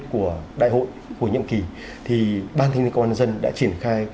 của đại hội của nhiệm kỳ thì ban kinh nghiên công an nhân dân đã triển khai